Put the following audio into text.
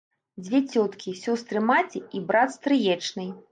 Дзве цёткі, сёстры маці, і брат стрыечны.